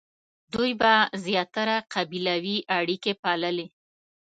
دوی به زیاتره قبیلوي اړیکې پاللې.